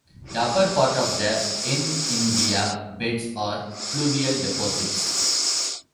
The upper part of the Inindia beds are fluvial deposits.